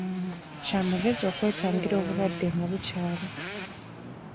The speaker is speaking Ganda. Kya magezi okwetangira obulwadde nga bukyali.